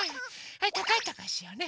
はいたかいたかいしようね。